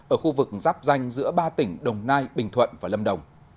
ở khu vực giáp danh giữa ba tỉnh đồng nai bình thuận và lâm đồng